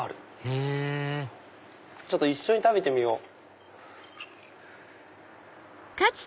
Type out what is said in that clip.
へぇ一緒に食べてみよう。